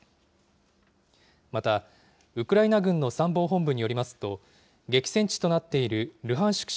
また、ウクライナ軍の参謀本部によりますと、激戦地となっているルハンシク